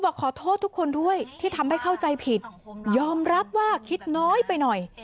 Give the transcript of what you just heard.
ขอโทษทุกคนด้วยที่ทำให้เข้าใจผิดยอมรับว่าคิดน้อยไปหน่อย